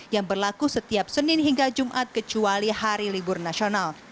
yang berlaku setiap senin hingga jumat kecuali hari libur nasional